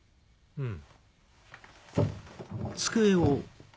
うん。